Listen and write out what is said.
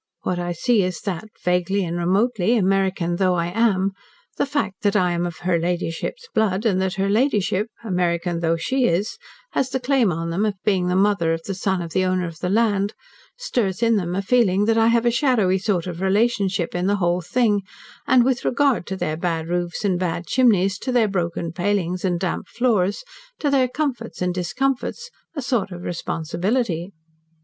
What I see is that, vaguely and remotely, American though I am, the fact that I am of 'her ladyship's blood,' and that her ladyship American though she is has the claim on them of being the mother of the son of the owner of the land stirs in them a feeling that I have a shadowy sort of relationship in the whole thing, and with regard to their bad roofs and bad chimneys, to their broken palings, and damp floors, to their comforts and discomforts, a sort of responsibility.